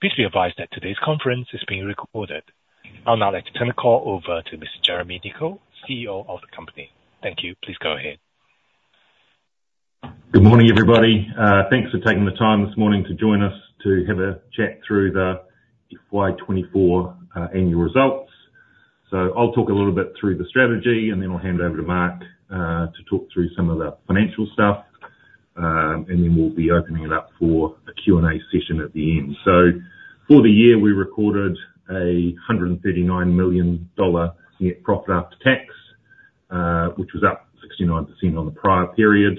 Please be advised that today's conference is being recorded. I'll now like to turn the call over to Mr. Jeremy Nicoll, CEO of the company. Thank you. Please go ahead. Good morning, everybody. Thanks for taking the time this morning to join us to have a chat through the FY 2024 annual results. I'll talk a little bit through the strategy, and then I'll hand it over to Mark to talk through some of the financial stuff. And then we'll be opening it up for a Q&A session at the end. For the year, we recorded a 139 million dollar net profit after tax, which was up 69% on the prior period.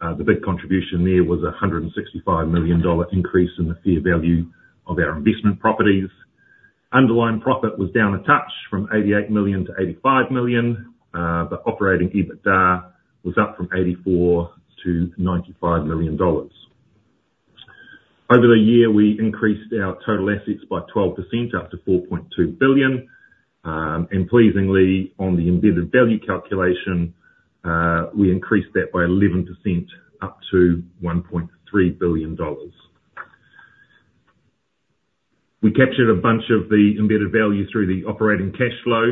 The big contribution there was a 165 million dollar increase in the fair value of our investment properties. Underlying profit was down a touch from 88 million to 85 million. But operating EBITDA was up from 84 million to 95 million dollars. Over the year, we increased our total assets by 12%, up to 4.2 billion. Pleasingly, on the embedded value calculation, we increased that by 11%, up to 1.3 billion dollars. We captured a bunch of the embedded value through the operating cash flow,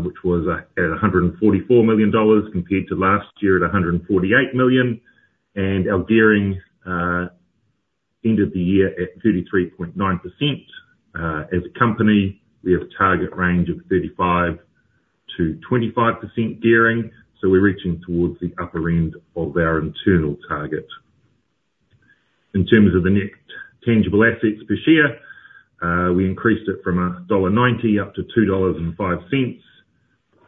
which was at 144 million dollars compared to last year at 148 million, and our gearing ended the year at 33.9%. As a company, we have a target range of 35%-25% gearing, so we're reaching towards the upper end of our internal target. In terms of the net tangible assets per share, we increased it from dollar 1.90 up to 2.05 dollars.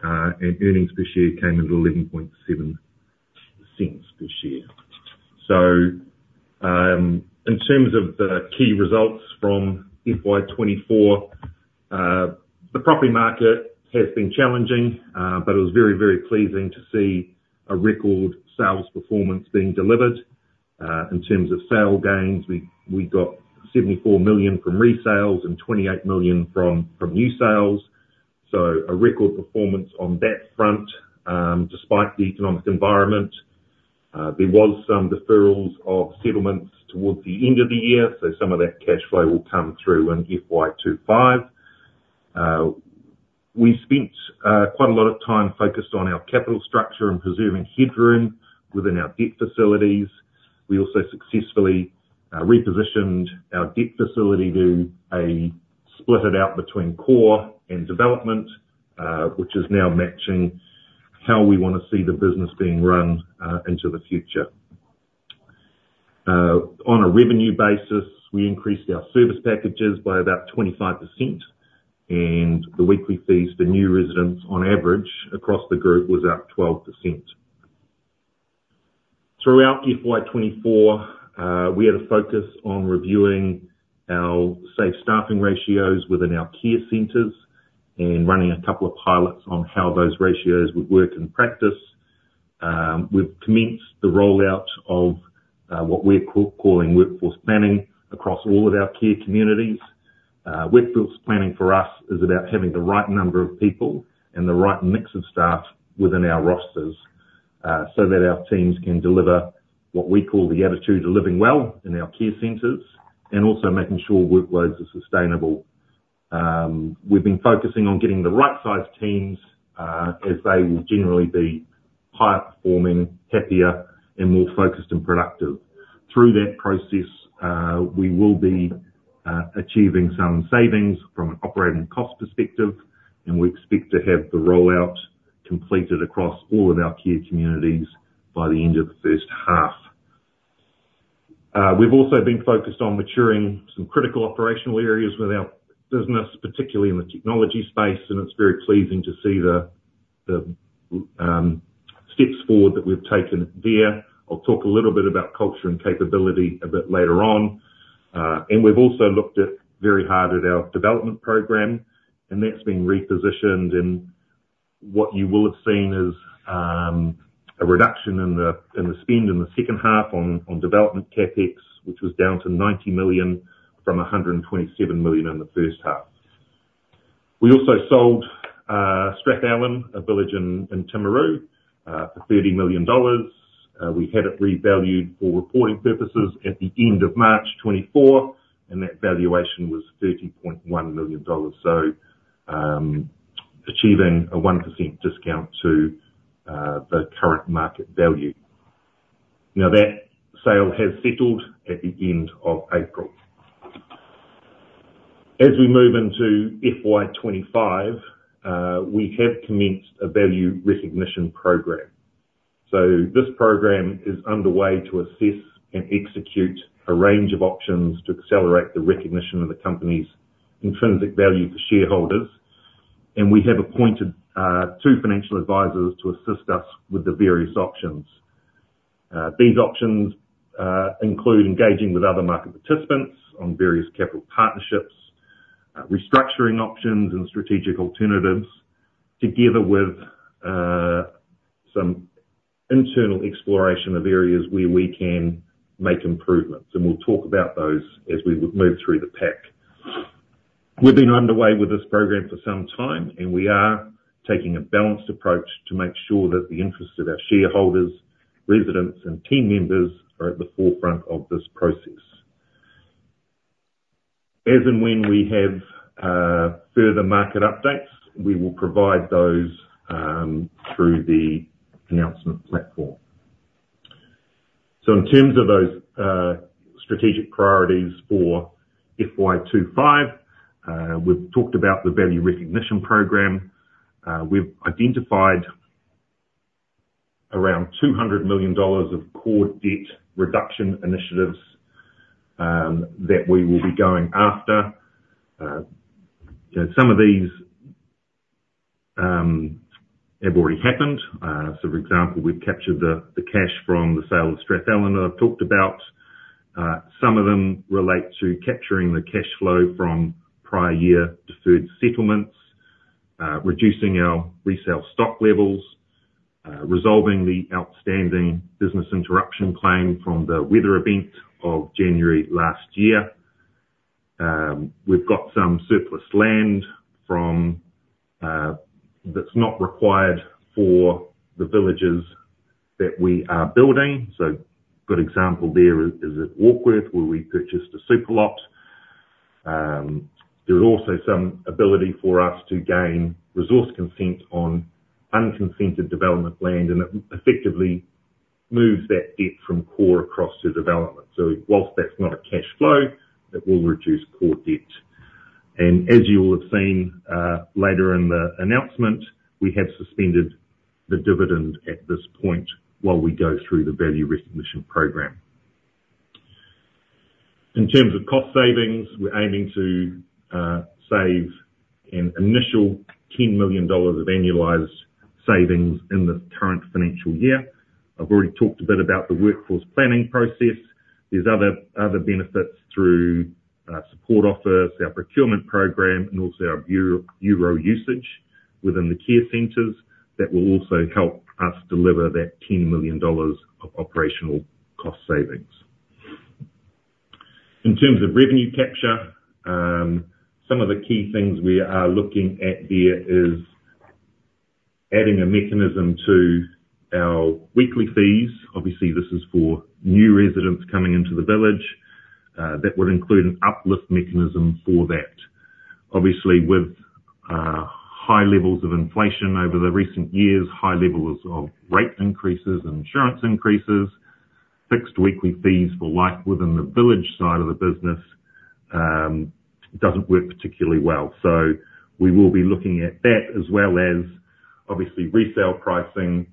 Earnings per share came in at 0.117 per share. So, in terms of the key results from FY 2024, the property market has been challenging, but it was very, very pleasing to see a record sales performance being delivered. In terms of sale gains, we got 74 million from resales and 28 million from new sales. So a record performance on that front, despite the economic environment. There was some deferrals of settlements towards the end of the year, so some of that cash flow will come through in FY 2025. We spent quite a lot of time focused on our capital structure and preserving headroom within our debt facilities. We also successfully repositioned our debt facility to split it out between core and development, which is now matching how we wanna see the business being run into the future. On a revenue basis, we increased our service packages by about 25%, and the weekly fees for new residents on average across the group was up 12%. Throughout FY 2024, we had a focus on reviewing our safe staffing ratios within our care centers and running a couple of pilots on how those ratios would work in practice. We've commenced the rollout of what we're calling workforce planning across all of our care communities. Workforce planning for us is about having the right number of people and the right mix of staff within our rosters, so that our teams can deliver what we call The Attitude of Living Well in our care centers, and also making sure workloads are sustainable. We've been focusing on getting the right size teams, as they will generally be higher performing, happier, and more focused and productive. Through that process, we will be achieving some savings from an operating cost perspective, and we expect to have the rollout completed across all of our care communities by the end of the first half. We've also been focused on maturing some critical operational areas with our business, particularly in the technology space, and it's very pleasing to see the steps forward that we've taken there. I'll talk a little bit about culture and capability a bit later on. And we've also looked very hard at our development program, and that's been repositioned. What you will have seen is a reduction in the spend in the second half on development CapEx, which was down to 90 million from 127 million in the first half. We also sold Strathallan, a village in Timaru, for 30 million dollars. We had it revalued for reporting purposes at the end of March 2024, and that valuation was 30.1 million dollars. So, achieving a 1% discount to the current market value. Now, that sale has settled at the end of April. As we move into FY 2025, we have commenced a value recognition program. So this program is underway to assess and execute a range of options to accelerate the recognition of the company's intrinsic value for shareholders. We have appointed two financial advisors to assist us with the various options. These options include engaging with other market participants on various capital partnerships, restructuring options, and strategic alternatives, together with some internal exploration of areas where we can make improvements, and we'll talk about those as we move through the deck. We've been underway with this program for some time, and we are taking a balanced approach to make sure that the interests of our shareholders, residents, and team members are at the forefront of this process. As and when we have further market updates, we will provide those through the announcement platform. So in terms of those strategic priorities for FY 25, we've talked about the value recognition program. We've identified around 200 million dollars of core debt reduction initiatives that we will be going after. Some of these have already happened. So for example, we've captured the cash from the sale of Strathallan, I've talked about. Some of them relate to capturing the cash flow from prior year deferred settlements, reducing our resale stock levels, resolving the outstanding business interruption claim from the weather event of January last year. We've got some surplus land that's not required for the villages that we are building. So good example there is at Warkworth, where we purchased a super lot. There is also some ability for us to gain resource consent on unconsented development land, and it effectively moves that debt from core across to development. So while that's not a cash flow, it will reduce core debt. And as you will have seen, later in the announcement, we have suspended the dividend at this point while we go through the value recognition program. In terms of cost savings, we're aiming to save an initial 10 million dollars of annualized savings in the current financial year. I've already talked a bit about the workforce planning process. There's other, other benefits through support office, our procurement program, and also our bureau usage within the care centers that will also help us deliver that 10 million dollars of operational cost savings. In terms of revenue capture, some of the key things we are looking at there is adding a mechanism to our weekly fees. Obviously, this is for new residents coming into the village. That would include an uplift mechanism for that. Obviously, with high levels of inflation over the recent years, high levels of rate increases and insurance increases, fixed weekly fees for life within the village side of the business, doesn't work particularly well. So we will be looking at that as well as obviously resale pricing.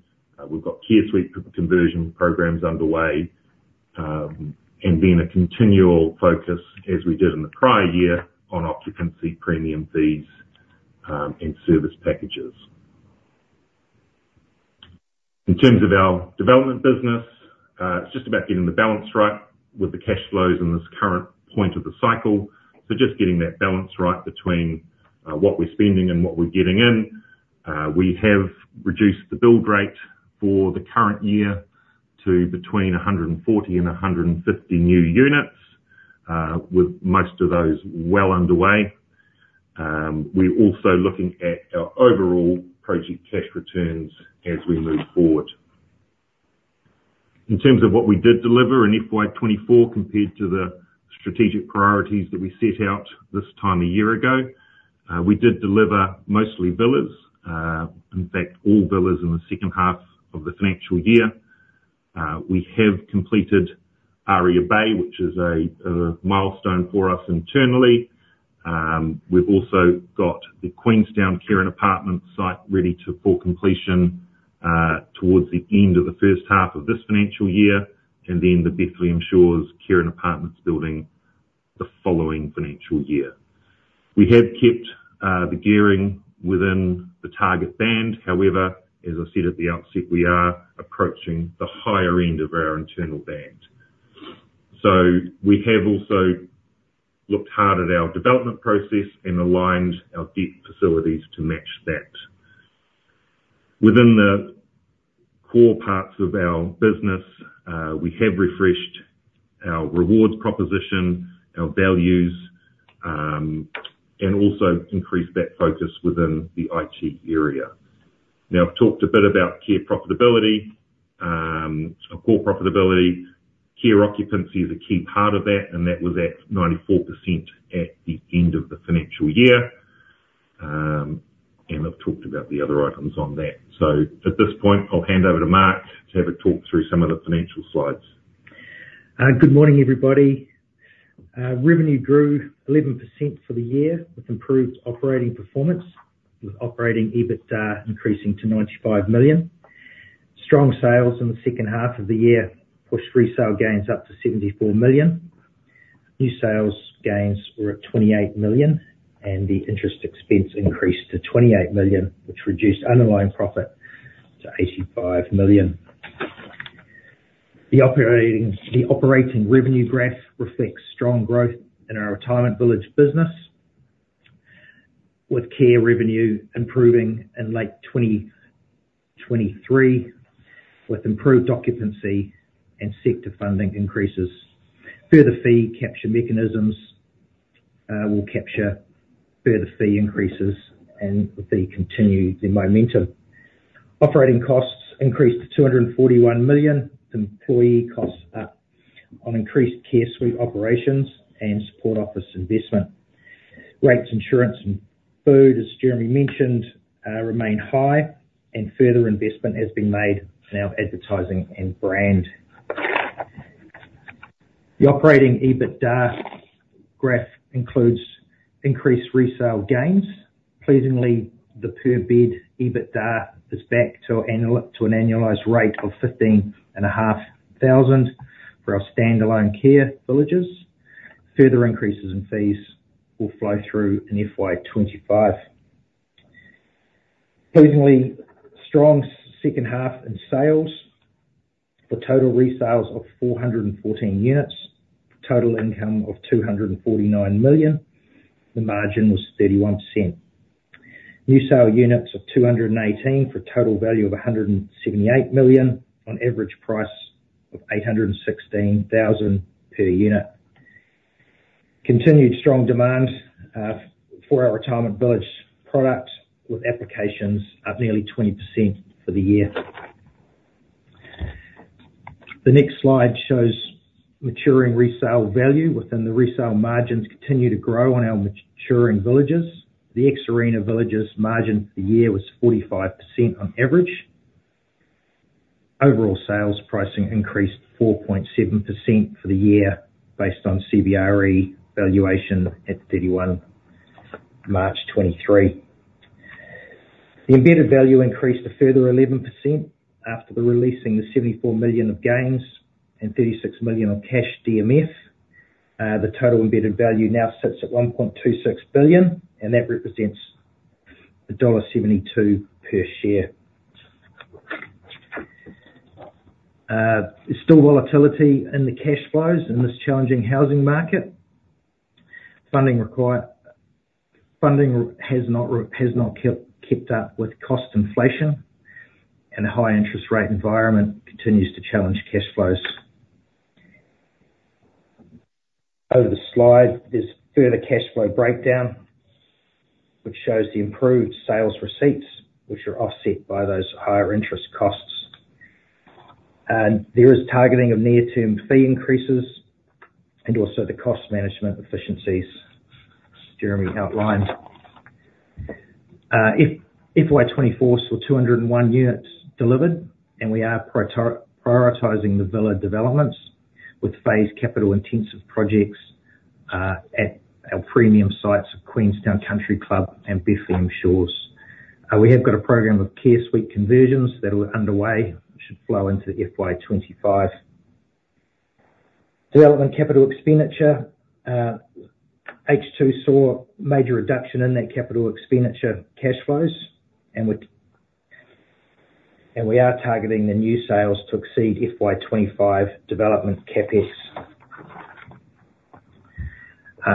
We've got care suite conversion programs underway, and then a continual focus, as we did in the prior year, on occupancy, premium fees, and service packages. In terms of our development business, it's just about getting the balance right with the cash flows in this current point of the cycle. So just getting that balance right between what we're spending and what we're getting in. We have reduced the build rate for the current year to between 140 and 150 new units, with most of those well underway. We're also looking at our overall project cash returns as we move forward. In terms of what we did deliver in FY 2024 compared to the strategic priorities that we set out this time a year ago, we did deliver mostly villas. In fact, all villas in the second half of the financial year. We have completed Aria Bay, which is a milestone for us internally. We've also got the Queenstown Care and Apartment site ready to full completion, towards the end of the first half of this financial year, and then the Bethlehem Shores Care and Apartments building the following financial year. We have kept the gearing within the target band. However, as I said at the outset, we are approaching the higher end of our internal band. So we have also looked hard at our development process and aligned our debt facilities to match that. Within the core parts of our business, we have refreshed our rewards proposition, our values, and also increased that focus within the IT area. Now, I've talked a bit about care profitability, core profitability. Care occupancy is a key part of that, and that was at 94% at the end of the financial year. And I've talked about the other items on that. So at this point, I'll hand over to Mark to have a talk through some of the financial slides. Good morning, everybody. Revenue grew 11% for the year, with improved operating performance, with operating EBITDA increasing to 95 million. Strong sales in the second half of the year pushed resale gains up to 74 million. New sales gains were at 28 million, and the interest expense increased to 28 million, which reduced underlying profit to 85 million. The operating revenue graph reflects strong growth in our retirement village business. With care revenue improving in late 2023, with improved occupancy and sector funding increases. Further fee capture mechanisms will capture further fee increases and the continued momentum. Operating costs increased to 241 million. Employee costs are on increased care suite operations and support office investment. Rates, insurance, and food, as Jeremy mentioned, remain high, and further investment has been made in our advertising and brand. The operating EBITDA graph includes increased resale gains. Pleasingly, the per bed EBITDA is back to an annualized rate of 15,500 for our standalone care villages. Further increases in fees will flow through in FY 2025. Pleasingly, strong second half in sales. The total resales of 414 units, total income of 249 million, the margin was 31%. New sale units of 218 for a total value of 178 million on average price of 816,000 per unit. Continued strong demand for our retirement village product, with applications up nearly 20% for the year. The next slide shows maturing resale value within the resale margins continue to grow on our maturing villages. The ex-Arena villages margin for the year was 45% on average. Overall sales pricing increased 4.7% for the year based on CBRE valuation at 31 March 2023. The embedded value increased a further 11% after releasing the 74 million of gains and 36 million of cash DMF. The total embedded value now sits at 1.26 billion, and that represents dollar 1.72 per share. There's still volatility in the cash flows in this challenging housing market. Funding has not kept up with cost inflation, and a high interest rate environment continues to challenge cash flows. Over the slide, there's further cash flow breakdown, which shows the improved sales receipts, which are offset by those higher interest costs. There is targeting of near-term fee increases and also the cost management efficiencies Jeremy outlined. FY 2024 saw 201 units delivered, and we are prioritizing the villa developments with phased capital-intensive projects at our premium sites of Queenstown Country Club and Bethlehem Shores. We have got a program of care suite conversions that are underway, should flow into FY 2025. Development capital expenditure, H2 saw a major reduction in that capital expenditure cash flows, and we are targeting the new sales to exceed FY 2025 development CapEx.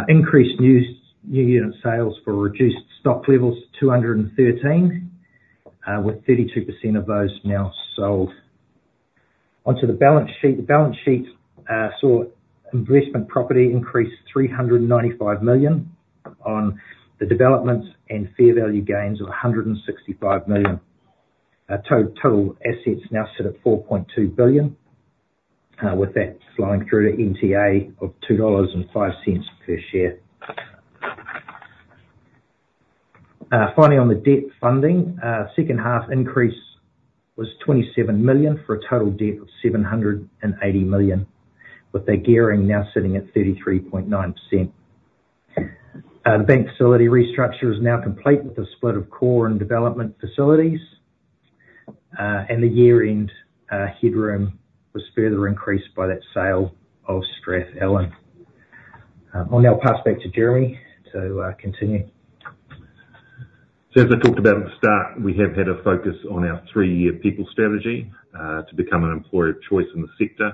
Increased new unit sales for reduced stock levels, 213, with 32% of those now sold. Onto the balance sheet. The balance sheet saw investment property increase 395 million on the developments and fair value gains of 165 million. Total assets now sit at 4.2 billion, with that flowing through to NTA of 2.05 dollars per share. Finally, on the debt funding, second half increase was 27 million for a total debt of 780 million, with the gearing now sitting at 33.9%. The bank facility restructure is now complete with the split of core and development facilities, and the year-end headroom was further increased by that sale of Strathallan. I'll now pass back to Jeremy to continue. So as I talked about at the start, we have had a focus on our three-year people strategy, to become an employer of choice in the sector.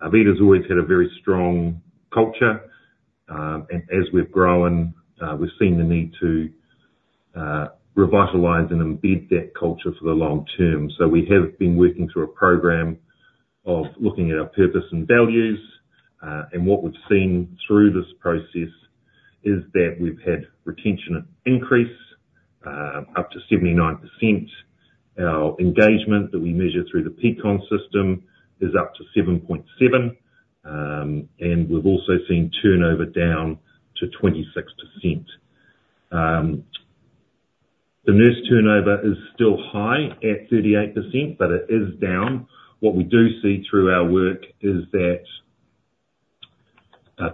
Arvida's always had a very strong culture, and as we've grown, we've seen the need to, revitalize and embed that culture for the long term. So we have been working through a program of looking at our purpose and values, and what we've seen through this process is that we've had retention increase, up to 79%. Our engagement that we measure through the Peakon system is up to 7.7, and we've also seen turnover down to 26%. The nurse turnover is still high at 38%, but it is down. What we do see through our work is that,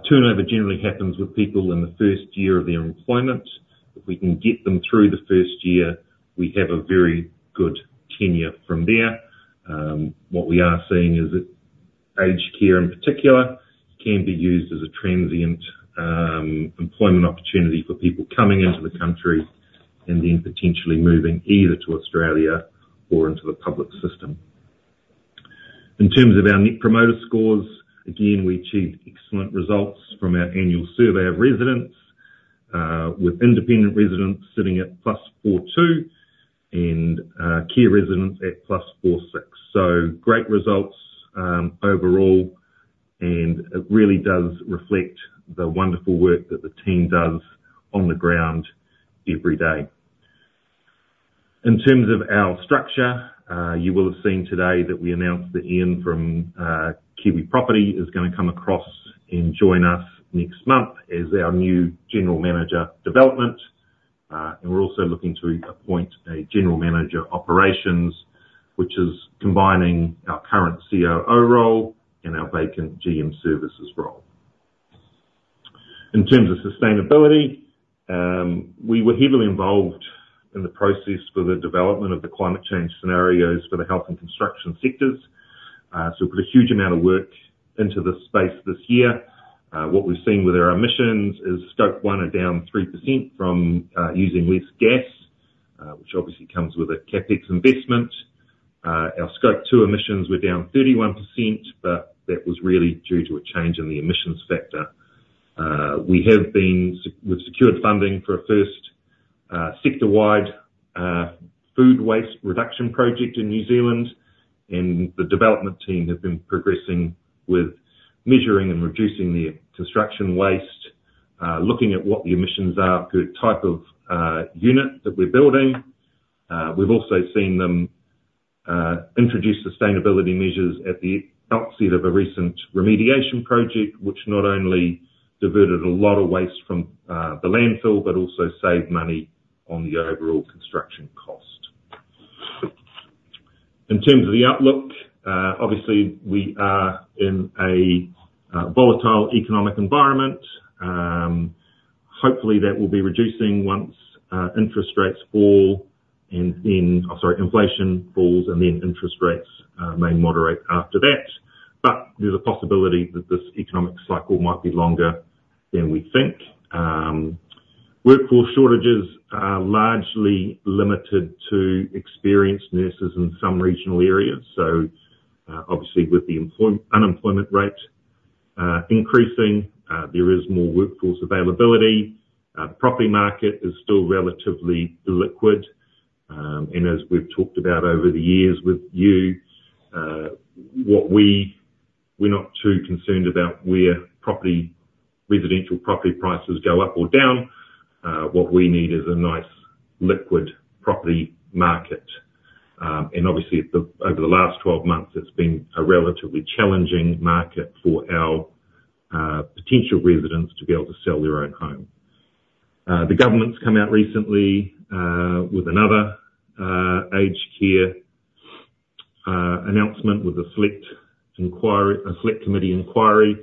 turnover generally happens with people in the first year of their employment. If we can get them through the first year, we have a very good tenure from there. What we are seeing is that aged care, in particular, can be used as a transient, employment opportunity for people coming into the country and then potentially moving either to Australia or into the public system. In terms of our net promoter scores, again, we achieved excellent results from our annual survey of residents, with independent residents sitting at +42, and care residents at +46. So great results, overall, and it really does reflect the wonderful work that the team does on the ground every day. In terms of our structure, you will have seen today that we announced that Ian from Kiwi Property is gonna come across and join us next month as our new general manager, development. And we're also looking to appoint a general manager, operations, which is combining our current COO role and our vacant GM services role. In terms of sustainability, we were heavily involved in the process for the development of the climate change scenarios for the health and construction sectors. So we put a huge amount of work into this space this year. What we've seen with our emissions is, Scope 1 are down 3% from using less gas, which obviously comes with a CapEx investment. Our Scope 2 emissions were down 31%, but that was really due to a change in the emissions factor. We've secured funding for a first sector-wide food waste reduction project in New Zealand, and the development team have been progressing with measuring and reducing the construction waste, looking at what the emissions are per type of unit that we're building. We've also seen them introduce sustainability measures at the outset of a recent remediation project, which not only diverted a lot of waste from the landfill, but also saved money on the overall construction cost. In terms of the outlook, obviously, we are in a volatile economic environment. Hopefully, that will be reducing once interest rates fall, and then... Oh, sorry, inflation falls, and then interest rates may moderate after that. But there's a possibility that this economic cycle might be longer than we think. Workforce shortages are largely limited to experienced nurses in some regional areas. So, obviously, with the unemployment rate increasing, there is more workforce availability. Property market is still relatively liquid, and as we've talked about over the years with you, we're not too concerned about where property, residential property prices go up or down. What we need is a nice, liquid property market. And obviously, over the last 12 months, it's been a relatively challenging market for our potential residents to be able to sell their own home. The government's come out recently with another aged care announcement, with a select committee inquiry.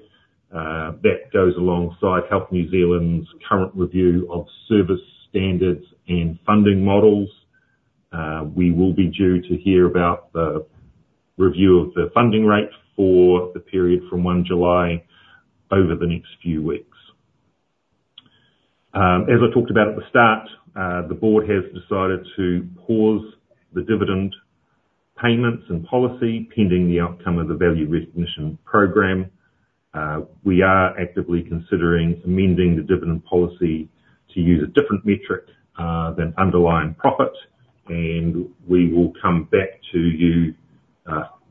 That goes alongside Health New Zealand's current review of service standards and funding models. We will be due to hear about the review of the funding rate for the period from 1 July, over the next few weeks. As I talked about at the start, the board has decided to pause the dividend payments and policy, pending the outcome of the value recognition program. We are actively considering amending the dividend policy to use a different metric than underlying profit, and we will come back to you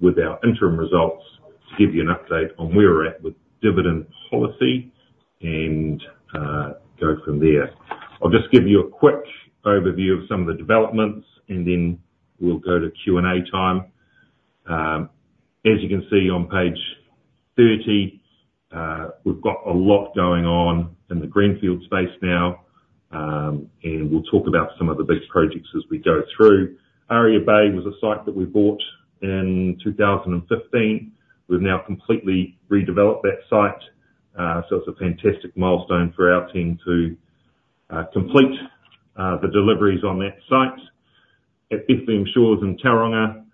with our interim results, to give you an update on where we're at with dividend policy and go from there. I'll just give you a quick overview of some of the developments, and then we'll go to Q&A time. As you can see on page 30, we've got a lot going on in the greenfield space now, and we'll talk about some of the big projects as we go through. Aria Bay was a site that we bought in 2015. We've now completely redeveloped that site, so it's a fantastic milestone for our team to complete the deliveries on that site. At Bethlehem Shores in Tauranga,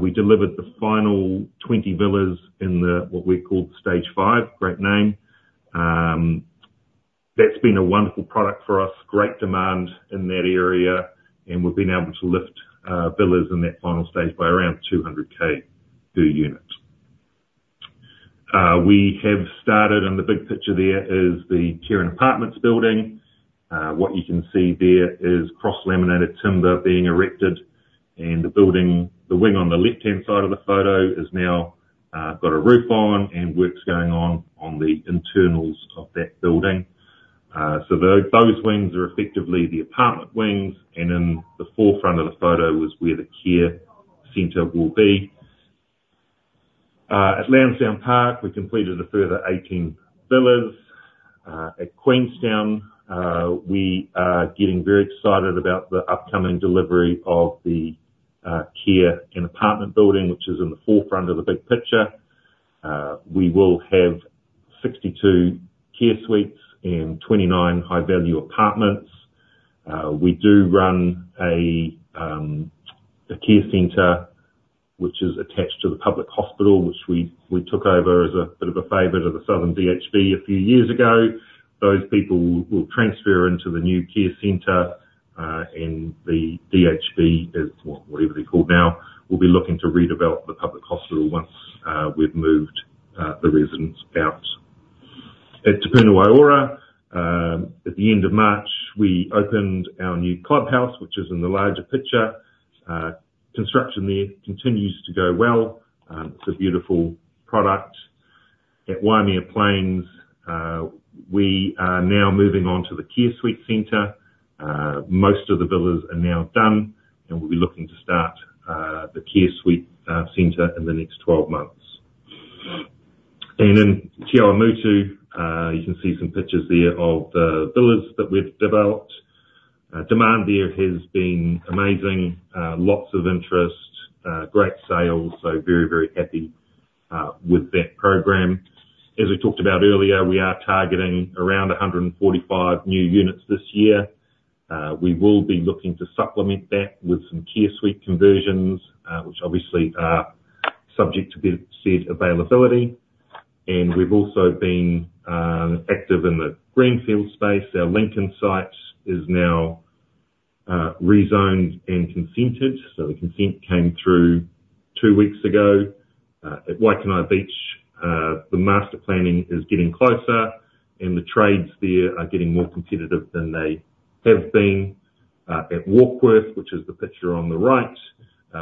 we delivered the final 20 villas in the, what we call Stage 5. Great name. That's been a wonderful product for us. Great demand in that area, and we've been able to lift villas in that final stage by around 200,000 per unit. We have started, and the big picture there is the care and apartments building. What you can see there is cross-laminated timber being erected, and the building, the wing on the left-hand side of the photo has now got a roof on, and work's going on, on the internals of that building. So those wings are effectively the apartment wings, and in the forefront of the photo is where the care center will be. At Lansdowne Park, we completed a further 18 villas. At Queenstown, we are getting very excited about the upcoming delivery of the care and apartment building, which is in the forefront of the big picture. We will have 62 Care Suites and 29 high-value apartments. We do run a care center which is attached to the public hospital, which we took over as a bit of a favor to the Southern DHB a few years ago. Those people will transfer into the new care center, and the DHB is, well, whatever they're called now, will be looking to redevelop the public hospital once we've moved the residents out. At Te Puna Waiora, at the end of March, we opened our new clubhouse, which is in the larger picture. Construction there continues to go well, it's a beautiful product. At Waimea Plains, we are now moving on to the care suite center. Most of the villas are now done, and we'll be looking to start the care suite center in the next 12 months. And in Te Awamutu, you can see some pictures there of the villas that we've developed. Demand there has been amazing, lots of interest, great sales. So very, very happy with that program. As we talked about earlier, we are targeting around 145 new units this year. We will be looking to supplement that with some care suite conversions, which obviously are subject to bed-set availability. We've also been active in the greenfield space. Our Lincoln site is now rezoned and consented, so the consent came through two weeks ago. At Waikanae Beach, the master planning is getting closer, and the trades there are getting more competitive than they have been. At Warkworth, which is the picture on the right,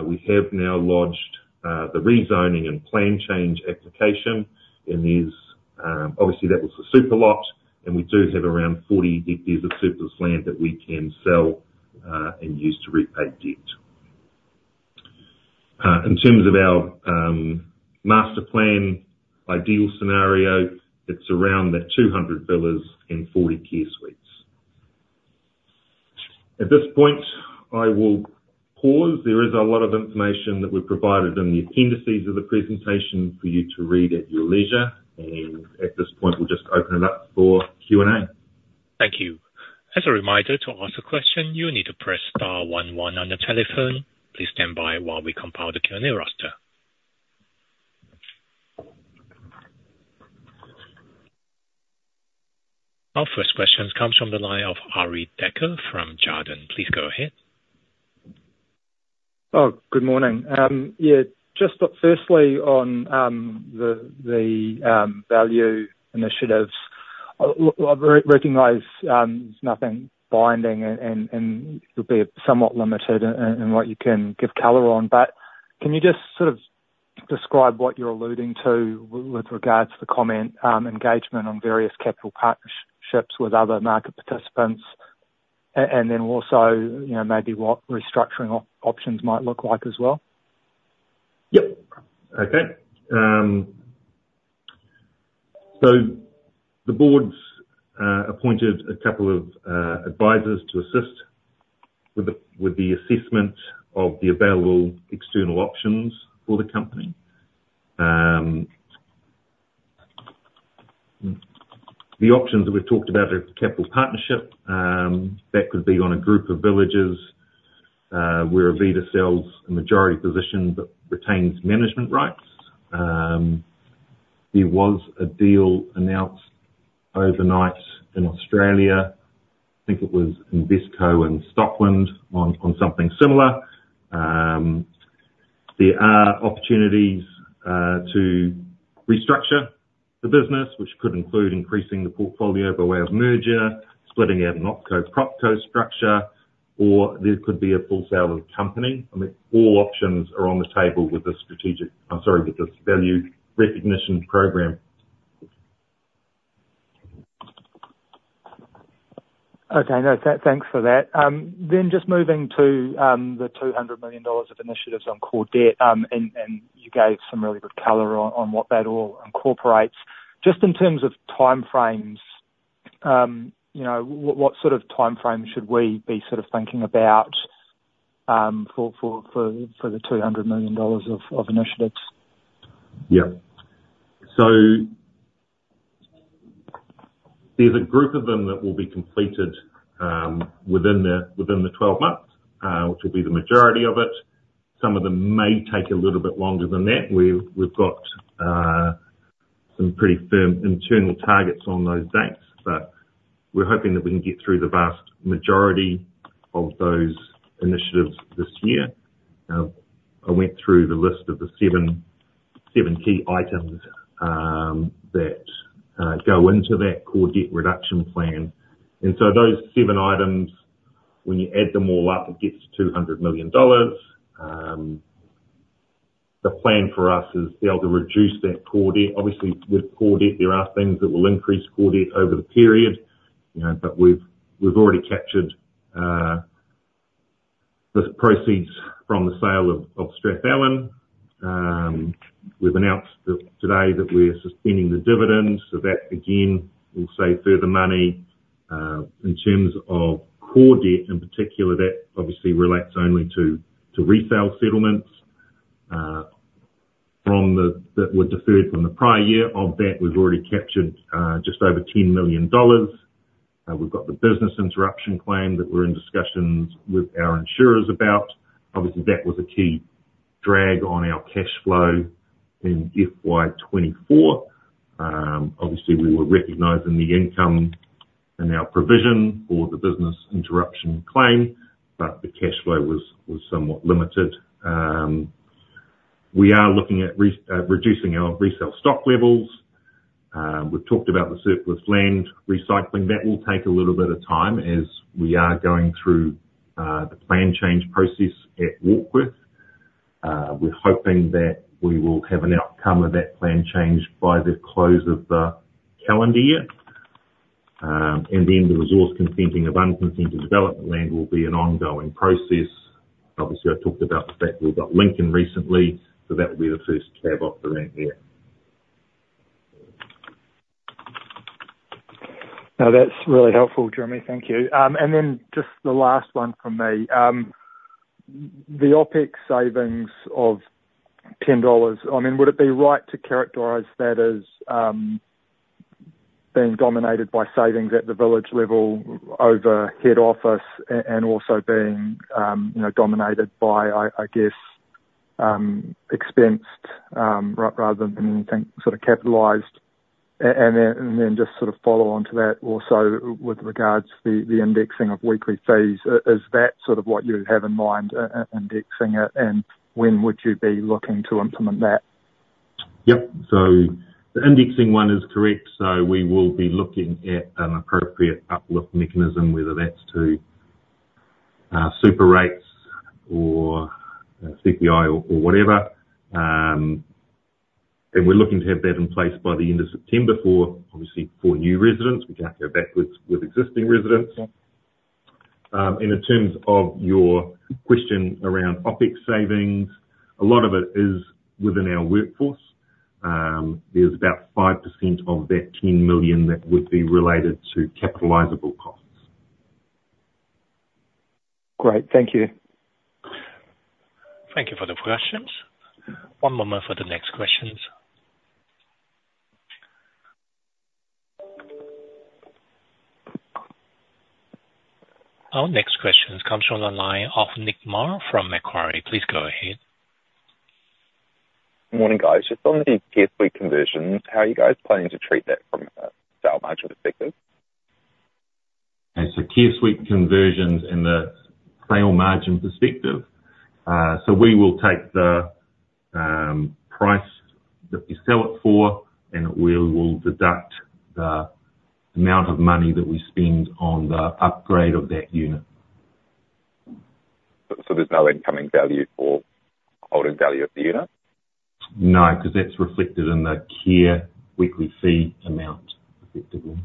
we have now lodged the rezoning and plan change application, and there's obviously that was the super lot, and we do have around 40 hectares of surplus land that we can sell and use to repay debt. In terms of our master plan, ideal scenario, it's around the 200 villas and 40 Care Suites. At this point, I will pause. There is a lot of information that we've provided in the appendices of the presentation for you to read at your leisure, and at this point, we'll just open it up for Q&A. Thank you. As a reminder, to ask a question, you need to press star one one on your telephone. Please stand by while we compile the Q&A roster. Our first question comes from the line of Arie Dekker from Jarden. Please go ahead. Oh, good morning. Yeah, just firstly, on the value initiatives. I recognize there's nothing binding and you'll be somewhat limited in what you can give color on, but can you just sort of describe what you're alluding to with regards to the comment, engagement on various capital partnerships with other market participants, and then also, you know, maybe what restructuring options might look like as well? Yep. Okay. So the board's appointed a couple of advisors to assist with the assessment of the available external options for the company. The options that we've talked about are capital partnership that could be on a group of villages where Arvida sells a majority position but retains management rights. There was a deal announced overnight in Australia. I think it was Invesco and Stockland on something similar. There are opportunities to restructure the business, which could include increasing the portfolio by way of merger, splitting out an OpCo/PropCo structure, or there could be a full sale of the company. I mean, all options are on the table with the strategic. I'm sorry, with this value recognition program. Okay. No, thanks for that. Then just moving to the 200 million dollars of initiatives on core debt, and you gave some really good color on what that all incorporates. Just in terms of timeframes, you know, what sort of timeframe should we be sort of thinking about for the 200 million dollars of initiatives? Yeah. So there's a group of them that will be completed, within the, within the 12 months, which will be the majority of it. Some of them may take a little bit longer than that. We've, we've got, some pretty firm internal targets on those dates, but we're hoping that we can get through the vast majority of those initiatives this year. I went through the list of the seven, seven key items, that, go into that core debt reduction plan. And so those seven items, when you add them all up, it gets to 200 million dollars. The plan for us is to be able to reduce that core debt. Obviously, with core debt, there are things that will increase core debt over the period, you know, but we've, we've already captured, the proceeds from the sale of, of Strathallan. We've announced that today that we're suspending the dividend, so that, again, will save further money. In terms of core debt, in particular, that obviously relates only to resale settlements that were deferred from the prior year. Of that, we've already captured just over 10 million dollars. We've got the business interruption claim that we're in discussions with our insurers about. Obviously, that was a key drag on our cash flow in FY 2024. Obviously, we were recognizing the income and our provision for the business interruption claim, but the cash flow was somewhat limited. We are looking at reducing our resale stock levels. We've talked about the surplus land recycling. That will take a little bit of time as we are going through the plan change process at Warkworth. We're hoping that we will have an outcome of that plan change by the close of the calendar year. And then the resource consenting of unconsented development land will be an ongoing process. Obviously, I talked about the fact we've got Lincoln recently, so that will be the first cab off the rank there. No, that's really helpful, Jeremy. Thank you. And then just the last one from me. The OpEx savings of 10 dollars, I mean, would it be right to characterize that as, being dominated by savings at the village level over head office and also being, you know, dominated by, I guess, expensed, rather than anything sort of capitalized? And then just sort of follow on to that also with regards to the indexing of weekly fees. Is that sort of what you have in mind, indexing it? And when would you be looking to implement that? Yep. So the indexing one is correct. We will be looking at an appropriate uplift mechanism, whether that's to super rates or CPI or whatever. And we're looking to have that in place by the end of September for, obviously, for new residents. We can't go backwards with existing residents. Okay. In terms of your question around OpEx savings, a lot of it is within our workforce. There's about 5% of that 10 million that would be related to capitalizable costs. Great. Thank you. Thank you for the questions. One moment for the next questions. Our next question comes from the line of Nick Mar from Macquarie. Please go ahead. Morning, guys. Just on the Care Suite conversions, how are you guys planning to treat that from a sale margin perspective? Okay, so Care Suite conversions in the sale margin perspective. So we will take the price that we sell it for, and we will deduct the amount of money that we spend on the upgrade of that unit. So there's no incoming value for holding value of the unit? No, 'cause that's reflected in the care weekly fee amount, effectively.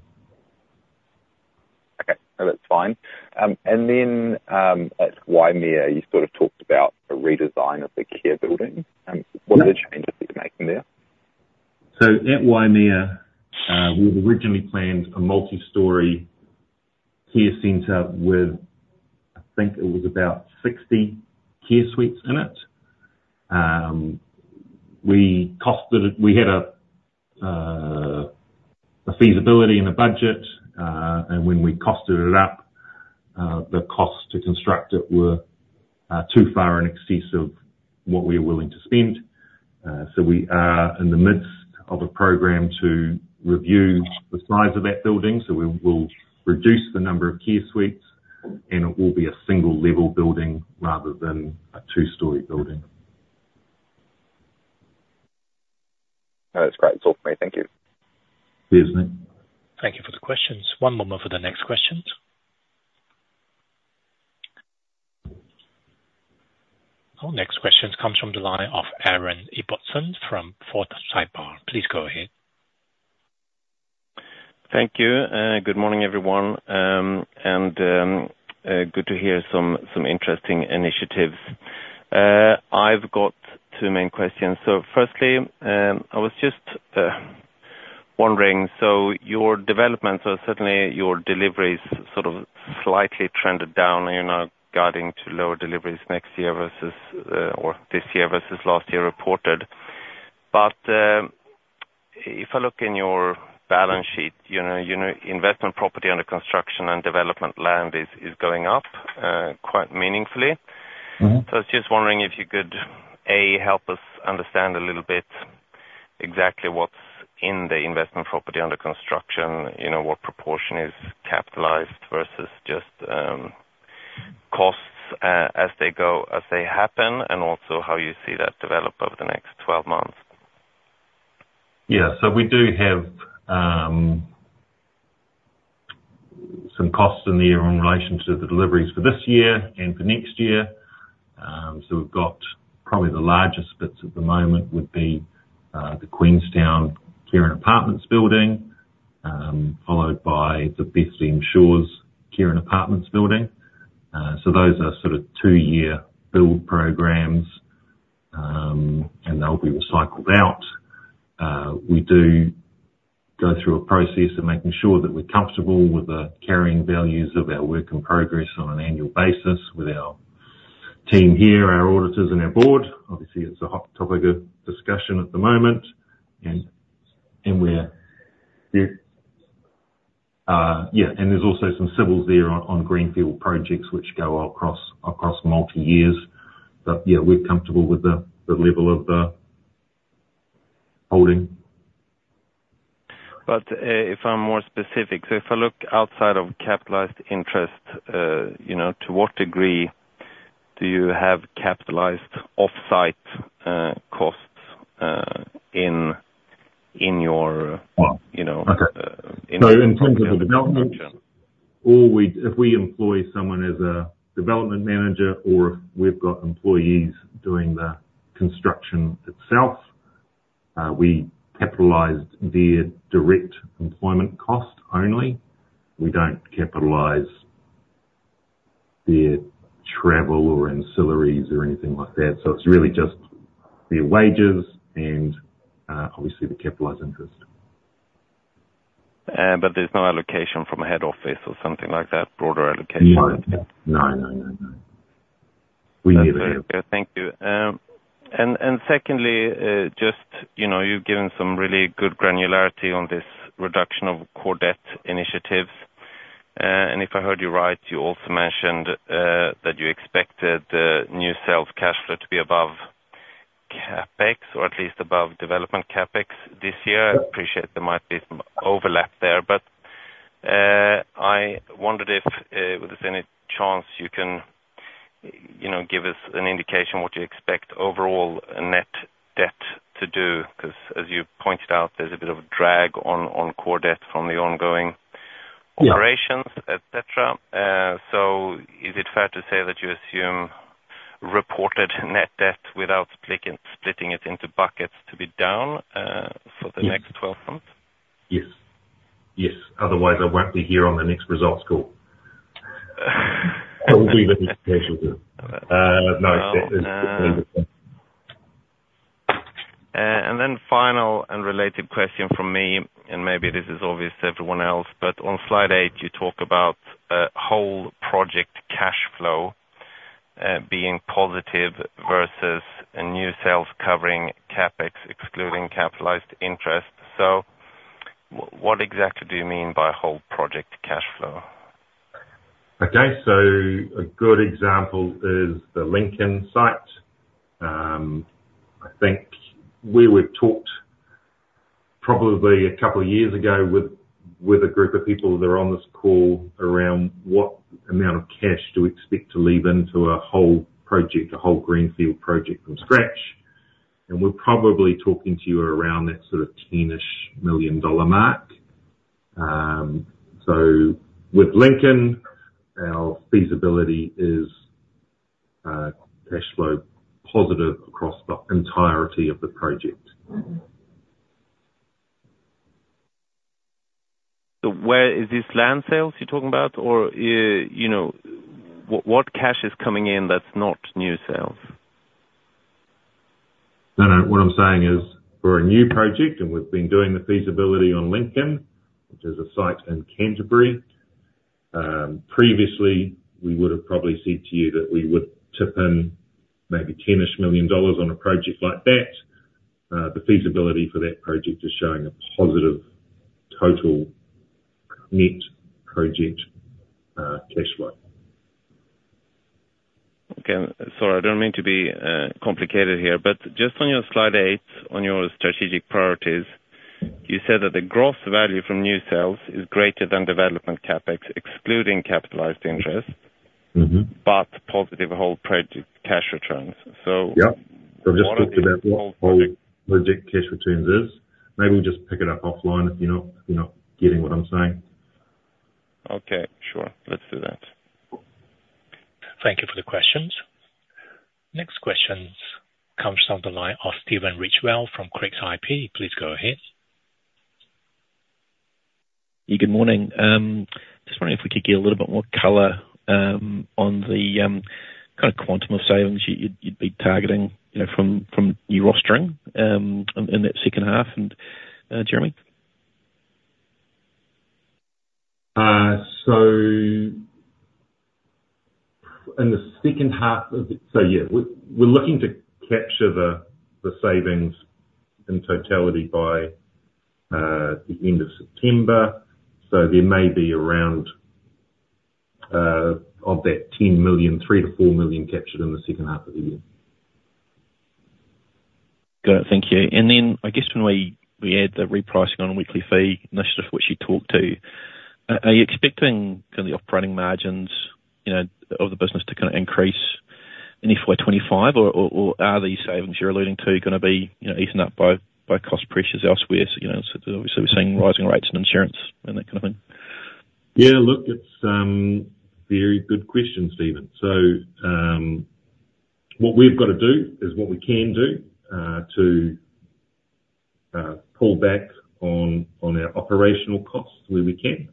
Okay, no, that's fine. And then, at Waimea, you sort of talked about a redesign of the care building. Yeah. What are the changes you're making there? So at Waimea, we originally planned a multi-story care center with, I think it was about 60 Care Suites in it. We costed it. We had a, a feasibility and a budget, and when we costed it up, the cost to construct it were too far in excess of what we were willing to spend. So we are in the midst of a program to review the size of that building. So we will reduce the number of Care Suites, and it will be a single-level building rather than a two-story building. No, that's great. That's all for me. Thank you. Cheers, Nick. Thank you for the questions. One moment for the next questions. Our next question comes from the line of Aaron Ibbotson from Forsyth Barr. Please go ahead. Thank you, good morning, everyone, and good to hear some interesting initiatives. I've got two main questions. So firstly, I was just wondering, so your developments or certainly your deliveries sort of slightly trended down and you're now guiding to lower deliveries next year versus or this year versus last year reported. But if I look in your balance sheet, you know, you know, investment property under construction and development land is going up quite meaningfully. Mm-hmm. I was just wondering if you could, A, help us understand a little bit exactly what's in the investment property under construction. You know, what proportion is capitalized versus just, costs as they go, as they happen, and also how you see that develop over the next 12 months. Yeah. So we do have some costs in there in relation to the deliveries for this year and for next year. So we've got probably the largest bits at the moment would be the Queenstown care and apartments building, followed by the Bethlehem Shores care and apartments building. So those are sort of two-year build programs, and they'll be recycled out. We do go through a process of making sure that we're comfortable with the carrying values of our work in progress on an annual basis with our team here, our auditors and our board. Obviously, it's a hot topic of discussion at the moment, and we're yeah, and there's also some civils there on greenfield projects which go across multi years. But yeah, we're comfortable with the level of the holding. But, if I'm more specific, so if I look outside of capitalized interest, you know, to what degree do you have capitalized offsite costs, in, in your- Well- you know So in terms of development, or if we employ someone as a development manager, or if we've got employees doing the construction itself, we capitalize their direct employment cost only. We don't capitalize their travel or ancillaries or anything like that. So it's really just their wages and, obviously, the capitalized interest. There's no allocation from a head office or something like that, broader allocation? No, no, no, no. We need it. Thank you. Secondly, just, you know, you've given some really good granularity on this reduction of core debt initiatives. If I heard you right, you also mentioned that you expected the new sales cash flow to be above CapEx or at least above development CapEx this year. Yeah. I appreciate there might be some overlap there, but I wondered if there's any chance you can, you know, give us an indication what you expect overall net debt to do, 'cause as you pointed out, there's a bit of a drag on core debt from the ongoing- Yeah... operations, et cetera. So is it fair to say that you assume reported net debt without splitting it into buckets to be down, for- Yes... the next 12 months? Yes. Yes. Otherwise, I won't be here on the next results call. I will leave it, And then final unrelated question from me, and maybe this is obvious to everyone else, but on slide eight, you talk about whole project cash flow being positive versus a new sales covering CapEx, excluding capitalized interest. So what exactly do you mean by whole project cash flow? Okay. So a good example is the Lincoln site. I think we were talked probably a couple of years ago with a group of people that are on this call around, what amount of cash do we expect to leave into a whole project, a whole greenfield project from scratch? And we're probably talking to you around that sort of 10-ish million dollar mark. So with Lincoln, our feasibility is cash flow positive across the entirety of the project. So where... is this land sales you're talking about? Or, you know, what, what cash is coming in that's not new sales? No, no. What I'm saying is, for a new project, and we've been doing the feasibility on Lincoln, which is a site in Canterbury. Previously, we would have probably said to you that we would tip in maybe 10-ish million dollars on a project like that. The feasibility for that project is showing a positive total net project cash flow. Okay. Sorry, I don't mean to be complicated here, but just on your slide 8, on your strategic priorities, you said that the gross value from new sales is greater than development CapEx, excluding capitalized interest- Mm-hmm... but positive whole project cash returns, so- Yeah. So just- Talk about what whole project cash returns is. Maybe we just pick it up offline if you're not, you're not getting what I'm saying. Okay, sure. Let's do that. Thank you for the questions. Next questions comes on the line of Stephen Ridgewell from Craigs IP. Please go ahead. Yeah, good morning. Just wondering if we could get a little bit more color on the kind of quantum of savings you'd be targeting, you know, from your rostering in that second half, and Jeremy? So yeah, we're looking to capture the savings in totality by the end of September. So there may be around NZD 3 million-NZD 4 million of that 10 million captured in the second half of the year. Good. Thank you. And then, I guess when we add the repricing on a weekly fee initiative, which you talked to, are you expecting kind of the operating margins, you know, of the business to kind of increase in FY 2025, or are these savings you're alluding to gonna be, you know, eaten up by cost pressures elsewhere? So, you know, obviously we're seeing rising rates and insurance and that kind of thing. Yeah, look, it's very good question, Stephen. So, what we've got to do is what we can do, to, pull back on, on our operational costs where we can.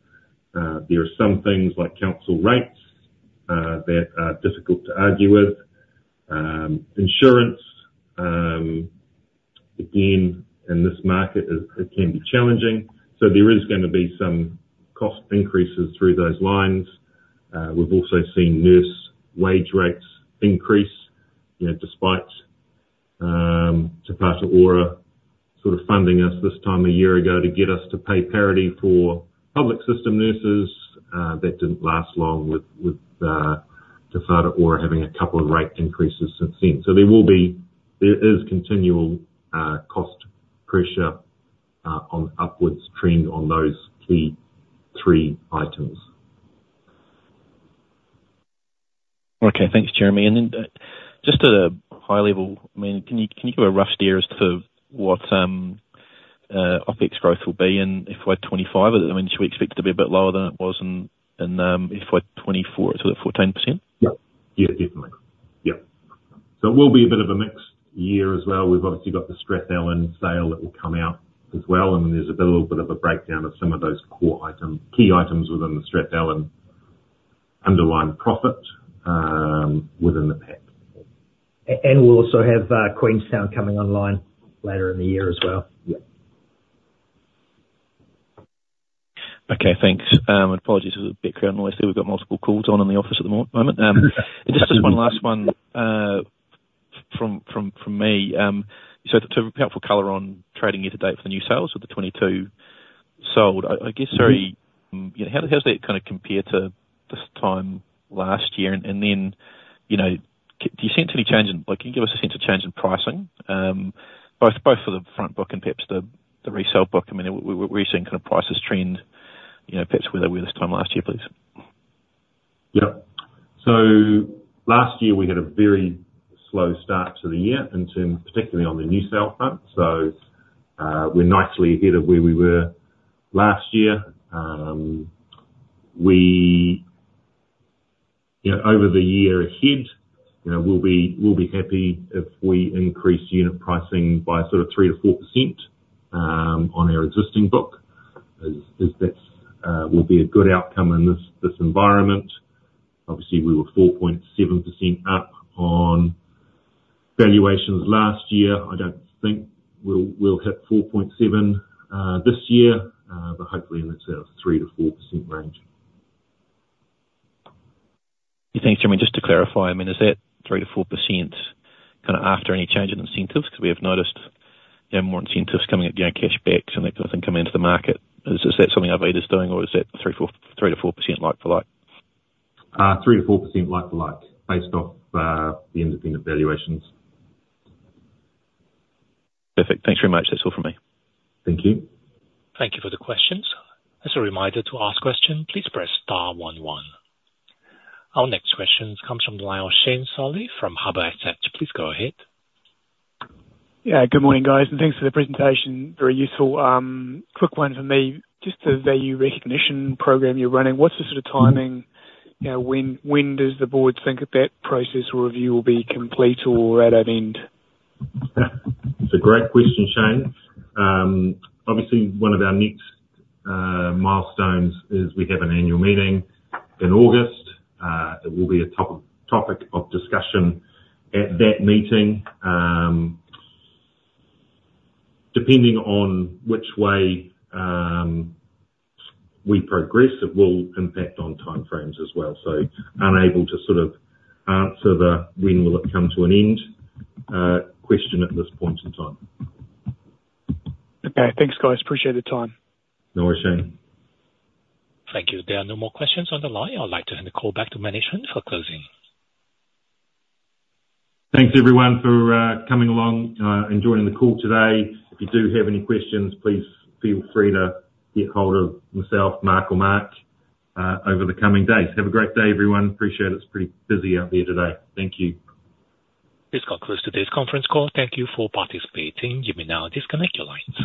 There are some things like council rates, that are difficult to argue with. Insurance, again, in this market, it, it can be challenging, so there is gonna be some cost increases through those lines. We've also seen nurse wage rates increase, you know, despite, Te Whatu Ora sort of funding us this time a year ago to get us to pay parity for public system nurses. That didn't last long with, with, Te Whatu Ora having a couple of rate increases since then. So there will be there is continual, cost pressure, on upwards trend on those key three items. Okay. Thanks, Jeremy. And then, just at a high level, I mean, can you, can you give a rough steer as to what, OpEx growth will be in FY 25? I mean, should we expect it to be a bit lower than it was in FY 24. Was it 14%? Yeah. Yeah, definitely. Yep. So it will be a bit of a mixed year as well. We've obviously got the Strathallan sale that will come out as well, and there's a little bit of a breakdown of some of those core items, key items within the Strathallan underlying profit, within the pack. We'll also have Queenstown coming online later in the year as well. Yeah. Okay, thanks. Apologies, there's a bit of background noise there. We've got multiple calls on in the office at the moment. Just one last one from me. So to provide full color on trading year to date for the new sales with the 22 sold, I guess, sorry, you know, how does that kind of compare to this time last year? And then, you know, do you see any change in... Like, can you give us a sense of change in pricing, both for the front book and perhaps the resale book? I mean, where are you seeing kind of prices trend, you know, perhaps where they were this time last year, please? Yep. So last year, we had a very slow start to the year in terms, particularly on the new sale front. So, we're nicely ahead of where we were last year. Yeah, over the year ahead, you know, we'll be happy if we increase unit pricing by sort of 3%-4% on our existing book. As that will be a good outcome in this environment. Obviously, we were 4.7% up on valuations last year. I don't think we'll hit 4.7 this year, but hopefully in that sort of 3%-4% range. Thanks, Jeremy. Just to clarify, I mean, is that 3%-4% kind of after any change in incentives? 'Cause we have noticed there are more incentives coming out, you know, cash backs and that kind of thing coming into the market. Is that something Arvida is doing, or is that 3%-4% like for like? 3%-4% like for like, based off the independent valuations. Perfect. Thanks very much. That's all from me. Thank you. Thank you for the questions. As a reminder, to ask question, please press star one one. Our next question comes from the line of Shane Solly from Harbour Asset. Please go ahead. Yeah, good morning, guys, and thanks for the presentation. Very useful. Quick one from me. Just the value recognition program you're running, what's the sort of timing? You know, when, when does the board think that that process review will be complete or at an end? It's a great question, Shane. Obviously, one of our next milestones is we have an annual meeting in August. It will be a top topic of discussion at that meeting. Depending on which way we progress, it will impact on timeframes as well. So unable to sort of answer the, when will it come to an end, question at this point in time. Okay. Thanks, guys. Appreciate the time. No worries, Shane. Thank you. There are no more questions on the line. I'd like to hand the call back to management for closing. Thanks, everyone, for coming along and joining the call today. If you do have any questions, please feel free to get hold of myself, Mark, over the coming days. Have a great day, everyone. Appreciate it. It's pretty busy out there today. Thank you. This concludes today's conference call. Thank you for participating. You may now disconnect your lines.